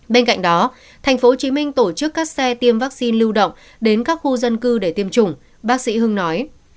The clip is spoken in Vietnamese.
bên cạnh đó thành phố hồ chí minh tổ chức các xe tiêm vaccine lưu động đến các khu dân cư để tiêm chủng bác sĩ hưng nói